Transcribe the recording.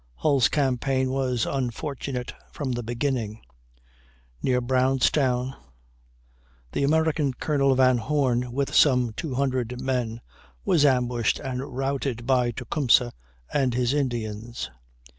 Hull's campaign was unfortunate from the beginning. Near Brownstown the American Colonel Van Horne, with some 200 men, was ambushed and routed by Tecumseh and his Indians.